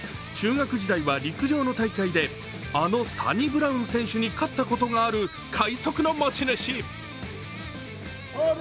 中学時代は陸上の大会であのサニブラウン選手に勝ったことがある快足の持ち主。